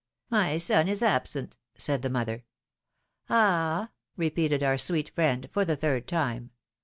My son is absent,^^ said the mother. '^Ah repeated our sweet friend for the third time.